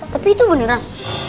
tapi itu beneran